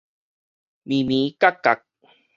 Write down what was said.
鋩鋩角角